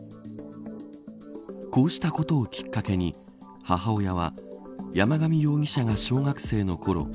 こうしたことをきっかけに母親は山上容疑者が小学生のころ